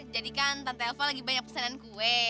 jadi kan tante elva lagi banyak pesanan kue